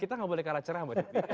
kita gak boleh kalah cerah mbak titi